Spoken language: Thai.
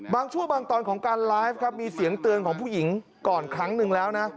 ชั่วบางตอนของการไลฟ์ครับมีเสียงเตือนของผู้หญิงก่อนครั้งหนึ่งแล้วนะ